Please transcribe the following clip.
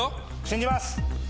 信じます！